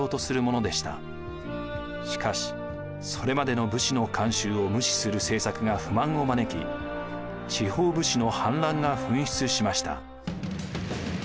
しかしそれまでの武士の慣習を無視する政策が不満を招き地方武士の反乱が噴出しました。